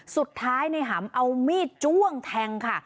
สุดท้ายในหำเอามีดจ้วงแทงค่ะ